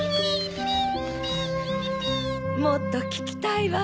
もっとききたいわ。